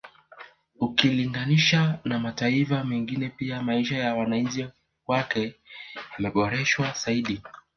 Ukilinganisha na mataifa mengine pia maisha ya wananchi wake yameboreshwa zaidi